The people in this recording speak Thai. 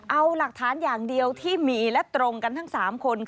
เอาหลักฐานอย่างเดียวที่มีและตรงกันทั้ง๓คน